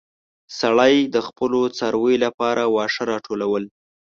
سړی د خپلو څارويو لپاره واښه راټولول.